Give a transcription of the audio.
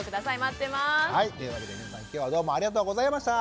っていうわけで皆さん今日はどうもありがとうございました。